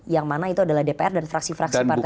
yang mana itu adalah dpr dan fraksi fraksi partai